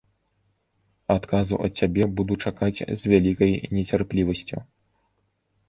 Адказу ад цябе буду чакаць з вялікай нецярплівасцю.